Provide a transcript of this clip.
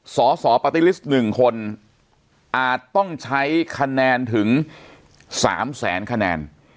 สสปาร์ตี้ลิสต์๑คนอาจต้องใช้คะแนนถึง๓แสนคะแนน